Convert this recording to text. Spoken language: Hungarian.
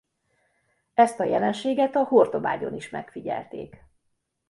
Ezt jelenséget a Hortobágyon is megfigyelték.